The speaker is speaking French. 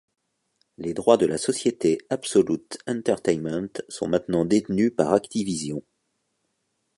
Les droits de la société Absolute Entertainment sont maintenant détenus par Activision.